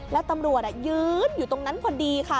แล้วตำรวจยืนอยู่ตรงนั้นพอดีค่ะ